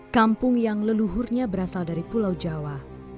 kampung yang leluhurnya berasal dari pulau jawa